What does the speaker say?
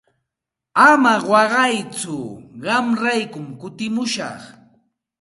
Ama waqaytsu qamraykum kutimushaq.